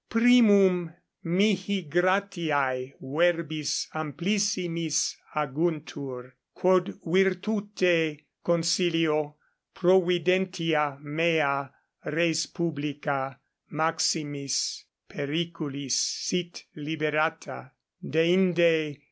Primum 14 mihi gratiae verbis amplissimis aguntur, quod virtute, consilio, providentia mea res publica maximis periculis sit liberata; deinde L.